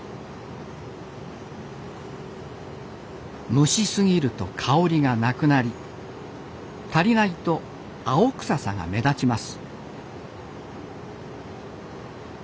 蒸しすぎると香りがなくなり足りないと青臭さが目立ちます